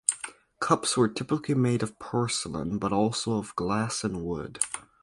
Cups were typically made of porcelain, but also of glass and wood.